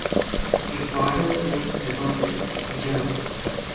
Headquarters in Stapelfeld, Germany.